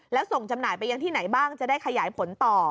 แล้วส่งจำหน่ายไปยังที่ไหนบ้างจะได้ขยายผลต่อ